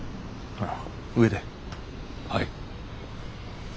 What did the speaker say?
はい。